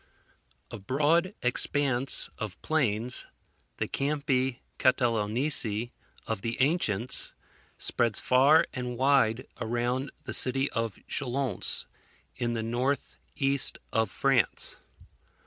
A broad expanse of plains, the Campi Catalaunici of the ancients, spreads far and wide around the city of Chalons, in the north east of France.